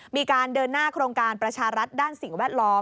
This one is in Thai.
มีการเดินหน้าโครงการประชารัฐด้านสิ่งแวดล้อม